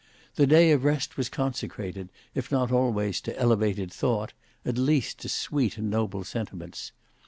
The day of rest was consecrated, if not always to elevated thought, at least to sweet and noble sentiments.